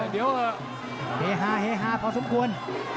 เดี๋ยวเฮฮาเฮฮาพอสมควร